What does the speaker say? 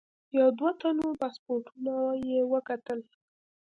یو دوه تنو پاسپورټونه یې وکتل.